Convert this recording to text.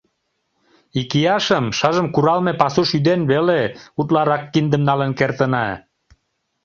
Икияшым шыжым куралме пасуш ӱден веле, утларак киндым налын кертына.